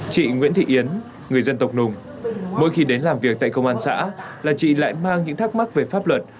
chị nguyễn thị yến người dân tộc nùng mỗi khi đến làm việc tại công an xã là chị lại mang những thắc mắc về pháp luật